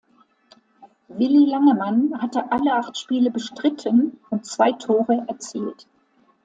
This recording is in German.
Willi Langemann hatte alle acht Spiele bestritten und zwei Tore erzielt.